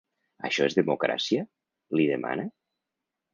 “Això és democràcia?”, li demana.